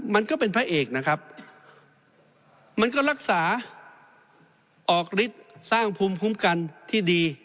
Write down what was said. มันก็เป็นพระเอกนะครับมันก็รักษาออกฤทธิ์สร้างภูมิคุ้มกันที่ดี